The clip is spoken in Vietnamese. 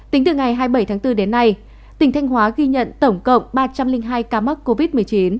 tính từ ngày hai mươi bảy tháng bốn đến nay tỉnh thanh hóa ghi nhận tổng cộng ba trăm linh hai ca mắc covid một mươi chín